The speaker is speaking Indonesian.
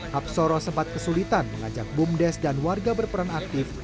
hapsoro sempat kesulitan mengajak bumdes dan warga berperan aktif